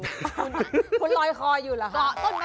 คุณลอยคออยู่หรือคะ